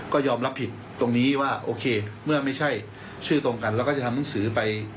ก็ยอมรับผิดตรงนี้ว่าโอเคเมื่อไม่ใช่ชื่อตรงกันเราก็จะทำหนังสือไป